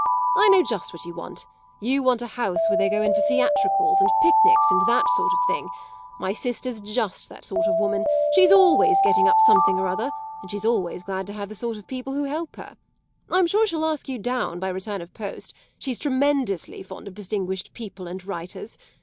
I know just what you want you want a house where they go in for theatricals and picnics and that sort of thing. My sister's just that sort of woman; she's always getting up something or other and she's always glad to have the sort of people who help her. I'm sure she'll ask you down by return of post: she's tremendously fond of distinguished people and writers.